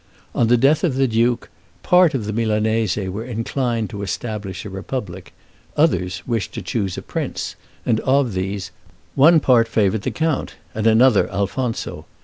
On the death of the duke, part of the Milanese were inclined to establish a republic; others wished to choose a prince, and of these, one part favored the count, and another Alfonso.